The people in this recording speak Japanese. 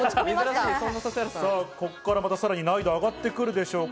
ここから難易度が上がってくるでしょうか。